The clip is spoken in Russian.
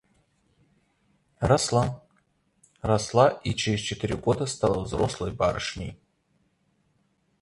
Росла, росла и через четыре года стала взрослой барышней.